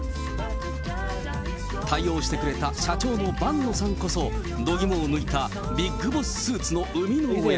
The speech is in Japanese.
対応してくれた社長の伴野さんこそ、度肝を抜いたビッグボススーツの生みの親。